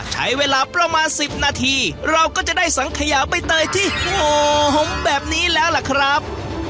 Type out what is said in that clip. ใช้เวลาประมาณ๑๐นาทีเราก็จะได้สังขยาใบเตยที่โหมแบบนี้แล้วล่ะครับ